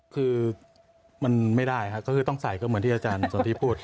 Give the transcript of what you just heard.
คือมันไม่ได้ครับก็คือต้องใส่ก็เหมือนที่อาจารย์สนทิพูด